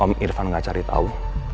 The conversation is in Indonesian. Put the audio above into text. om irfan gak cari tau